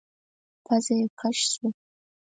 پزه يې کش شوه.